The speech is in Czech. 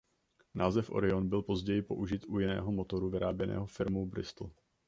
Název "Orion" byl později použit u jiného motoru vyráběného firmou Bristol.